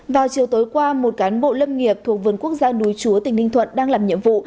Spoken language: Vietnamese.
vào chiều tối qua một cán bộ lâm nghiệp thuộc vườn quốc gia núi chúa tỉnh ninh thuận đang làm nhiệm vụ